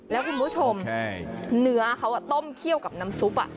แล้วคุณผู้ชมเนื้อเขาต้มเคี่ยวกับน้ำซุป